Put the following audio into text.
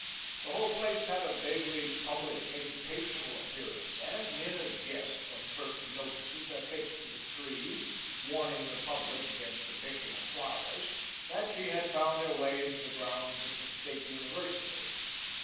The whole place had a vaguely public, educational appearance, and Minna guessed, from certain notices affixed to the trees, warning the public against the picking of flowers, that she had found her way into the grounds of the State University.